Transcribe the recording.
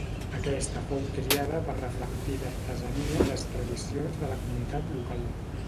Aquesta fou triada per reflectir l'artesania i les tradicions de la comunitat local.